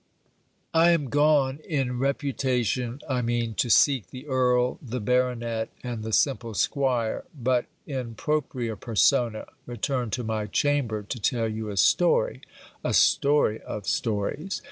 I am gone, in reputation I mean, to seek the earl, the baronet, and the simple squire, but, in propria persona, returned to my chamber to tell you a story a story of stories.